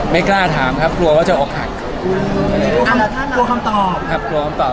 ไม่กล้าถามครับกลัวก็จะอกหักครับพี่ครับกลัวคำตอบครับ